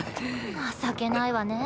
情けないわね。